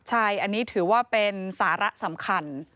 ใช่อันนี้ถือว่าเป็นสาระสำคัญ